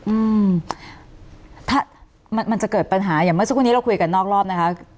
อืมถ้ามันมันจะเกิดปัญหาอย่างเมื่อสักครู่นี้เราคุยกันนอกรอบนะคะ